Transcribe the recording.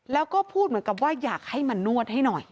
แล้วก็พูดเหมือนกับว่าอยากให้มานวดให้หน่อย